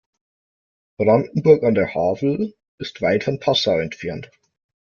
Brandenburg an der Havel ist weit von Passau entfernt